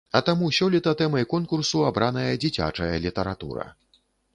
А таму сёлета тэмай конкурсу абраная дзіцячая літаратура.